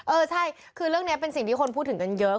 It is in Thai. เออใช่คือเรื่องนี้เป็นสิ่งที่คนพูดถึงกันเยอะ